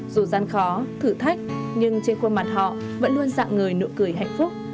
dù gian khó thử thách nhưng trên khuôn mặt họ vẫn luôn dạng người nụ cười hạnh phúc